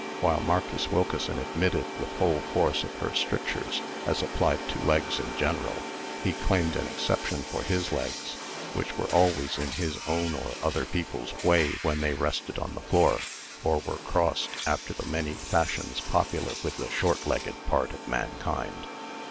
While Marcus Wilkeson admitted the full force of her strictures as applied to legs in general, he claimed an exception for his legs, which were always in his own or other people's way when they rested on the floor, or were crossed after the many fashions popular with the short legged part of mankind.